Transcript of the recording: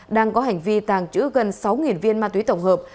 đang có hành vi tàng trữ gần sáu viên ma túy tổng hợp